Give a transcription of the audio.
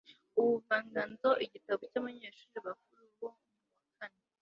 ubuvanganzo igitabo cyabanyeshuri bakuru bo muwa kane